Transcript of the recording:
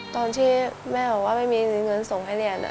ตอนที่แม่บอกว่าไม่มีเงินส่งให้เรียน